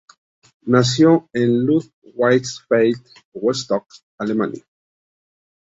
Nació en Ludwigsfelde-Wietstock, Alemania.